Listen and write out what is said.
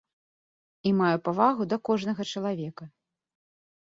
І маю павагу да кожнага чалавека.